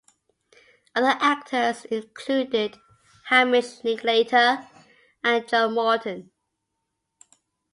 Other actors included Hamish Linklater and Joe Morton.